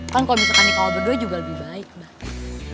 kan kalau bisa kandikawal berdua juga lebih baik abah